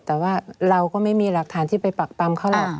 แต่ว่าเราก็ไม่มีหลักฐานที่ไปปักปำเขาหรอก